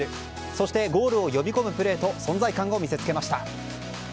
そしてゴールを呼び込むプレーと存在感を見せつけました。